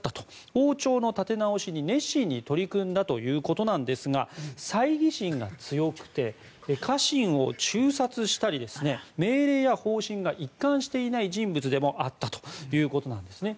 王朝の立て直しに熱心に取り組んだということなんですがさいぎ心が強くて家臣を誅殺したり命令や方針が一貫していない人物でもあったということなんですね。